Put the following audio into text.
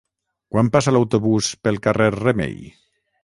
Quan passa l'autobús pel carrer Remei?